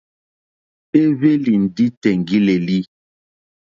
Éhwélì ndí tèŋɡí!lélí.